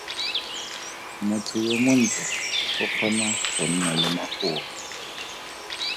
Motho yo montle o kgona go nna le makoa.